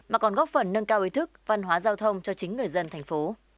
mà còn góp phần nâng cao ý thức văn hóa giao thông cho chính người dân tp